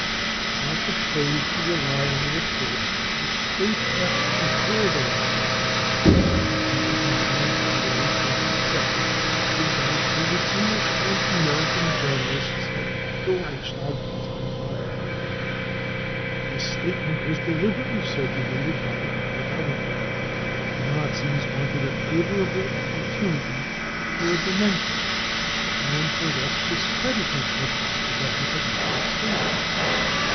We do not propose to rely on the reports which state that before the Reichstag fire, between 8 and 9 on February 27th, Dr. Bell told Eng lish and American journalists that the Reichstag was on fire. This •statement was deliberately circulated by the Hitler Government. The Nazis wanted a favorable oppor tunity for a dementi and for thus discrediting what Dr. Bell had really stated.